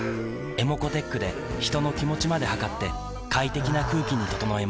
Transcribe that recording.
ｅｍｏｃｏーｔｅｃｈで人の気持ちまで測って快適な空気に整えます